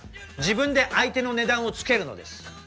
自分で相手の値段をつけるのです。